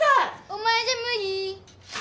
お前じゃ無理！